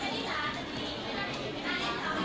สวัสดีครับคุณผู้ชม